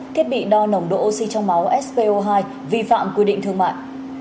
thiết bị đo nồng độ oxy trong máu sco hai vi phạm quy định thương mại